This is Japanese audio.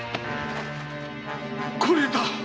これだ！